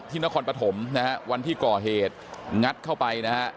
นครปฐมนะฮะวันที่ก่อเหตุงัดเข้าไปนะฮะ